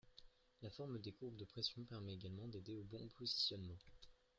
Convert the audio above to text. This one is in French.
La forme des courbes de pression permet également d'aider au bon positionnement.